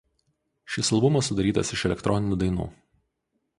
Šis albumas sudarytas iš elektroninių dainų.